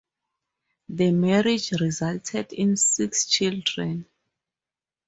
The marriage resulted in six children.